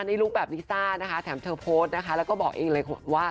ลุคแบบลิซ่านะคะแถมเธอโพสต์นะคะแล้วก็บอกเองเลยว่า